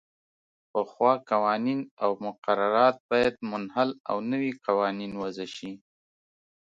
پخوا قوانین او مقررات باید منحل او نوي قوانین وضعه شي.